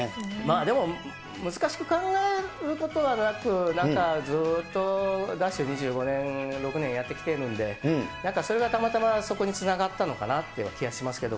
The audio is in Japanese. でも難しく考えることはなく、なんか、ずっとＤＡＳＨ２５年、６年やってきているんで、なんかそれが、たまたまそこにつながったのかなという気はしますけど。